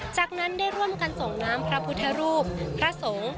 จากนั้นได้ร่วมกันส่งน้ำพระพุทธรูปพระสงฆ์